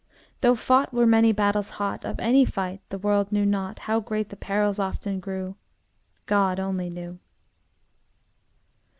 Though fought were many battles hot, Of any fight the world knew not How great the perils often grew God only knew.